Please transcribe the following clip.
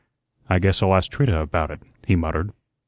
"I guess I'll ask Trina about it," he muttered.